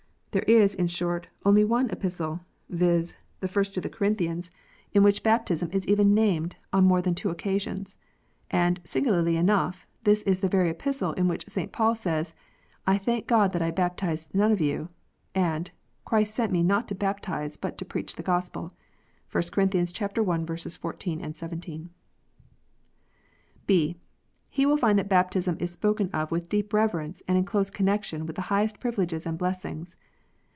There is, in short, only one Epistle, viz., the first to the Corinthians, 106 KNOTS UNTIED. in which baptism is even named on more than two occasions. And, singularly enough, this is the very Epistle in which St. Paul says, " I thank God that I baptized none of you," and " Christ sent me not be baptize, but to preach the Gospel." (1 Cor. i. 14, 17.) (b) He will find that baptism is spoken of with deep rever ence, and in close connection with the highest privileges and blessings.